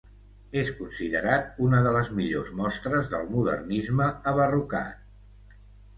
És considerat una de les millors mostres del modernisme abarrocat.